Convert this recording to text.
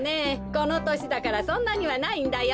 このとしだからそんなにはないんだよ。